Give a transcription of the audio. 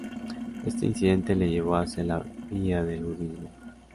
Este incidente le llevó hacia la vía del budismo.